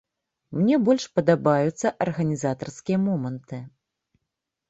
Мне больш падабаюцца арганізатарскія моманты.